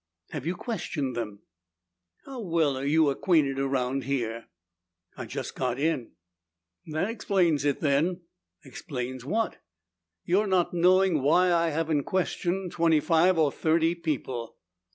"Have you questioned them?" "How well are you acquainted around here?" "I just got in." "That explains it then." "Explains what?" "Your not knowing why I haven't questioned twenty five or thirty people.